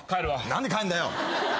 何で帰んだよ！